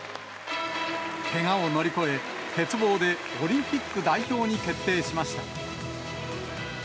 けがを乗り越え、鉄棒でオリンピック代表に決定しました。